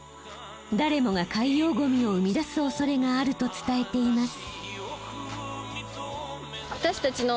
誰もが海洋ゴミを生み出すおそれがあると伝えています。